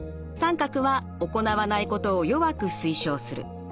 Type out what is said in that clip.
△は行わないことを弱く推奨する。